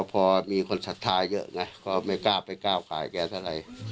พอมีคนศรัทธาเยอะไงก็ไม่กล้าไปก้าวขายแกเท่าไหร่